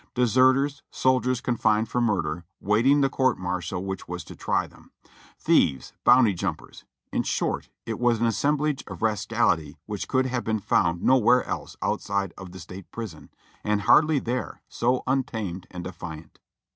Deserters, soldiers confined for murder, waiting the court martial which was to try them ; thieves, bounty jumpers — in short, it was an assemblage of rascality which could have been found nowhere else outside of the State Prison, and hardly there, so untamed and defiant.